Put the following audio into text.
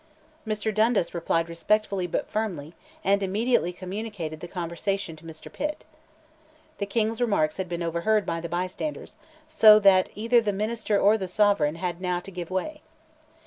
Mr. Dundas replied respectfully but firmly, and immediately communicated the conversation to Mr. Pitt. The King's remarks had been overheard by the bystanders, so that either the minister or the Sovereign had now to give way.